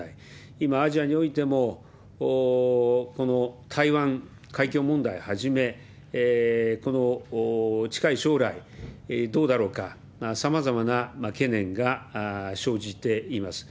今、アジアにおいても、この台湾海峡問題をはじめ、この近い将来どうだろうか、さまざまな懸念が生じています。